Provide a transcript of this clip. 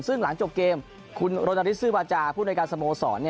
ซึ่งหลังจบเกมคุณรณฤทธซื้อวาจาผู้ในการสโมสร